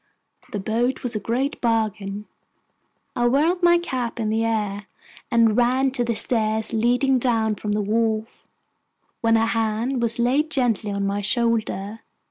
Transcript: The boat was a great bargain. I whirled my cap in the air, and ran to the stairs leading down from the wharf, when a hand was laid gently on my shoulder.